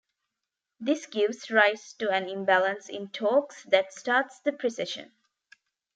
This gives rise to an imbalance in torques that starts the precession.